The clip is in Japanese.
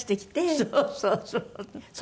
そうそうそう。